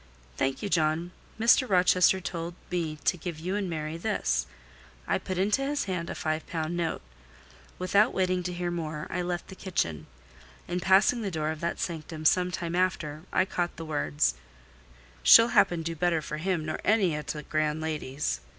"Thank you, John. Mr. Rochester told me to give you and Mary this." I put into his hand a five pound note. Without waiting to hear more, I left the kitchen. In passing the door of that sanctum some time after, I caught the words— "She'll happen do better for him nor ony o' t' grand ladies."